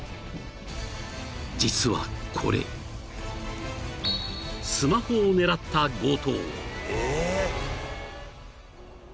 ［実はこれスマホを狙った強盗］